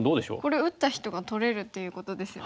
これ打った人が取れるっていうことですよね。